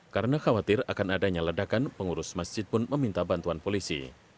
karena khawatir akan adanya ledakan pengurus masjid pun meminta bantuan polisi